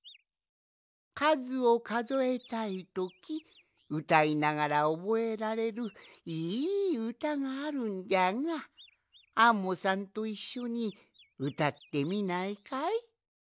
かずをかぞえたいときうたいながらおぼえられるいいうたがあるんじゃがアンモさんといっしょにうたってみないかい？